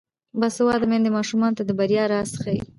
باسواده میندې ماشومانو ته د بریا راز ښيي.